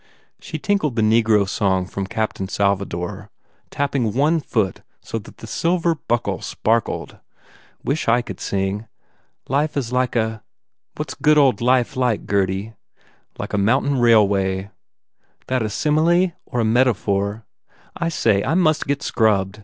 She tinkled the negro song from "Captain Salvador" tapping one foot so that the silver buckle sparkled. "Wish I could sing ... Life is like a what s good old life like, Gurdy?" "Like a mountain railway." "That a simile or a metaphor? I say, I must get scrubbed.